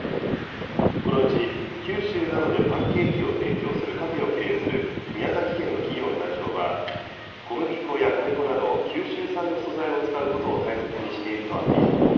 このうち九州などでパンケーキを提供するカフェを経営する宮崎県の企業の代表は、小麦粉や米粉など、九州産の素材を使うことを大切にしているとアピール。